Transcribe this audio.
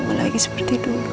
naik seperti dulu